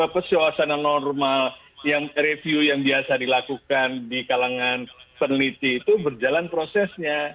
suasana normal yang review yang biasa dilakukan di kalangan peneliti itu berjalan prosesnya